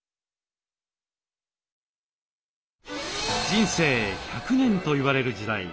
人生１００年といわれる時代。